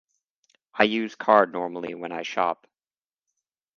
I use card normally when I shop.